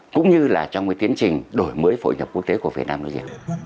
cũng như trong tiến trình đổi mới phổ nhập quốc tế của việt nam nói riêng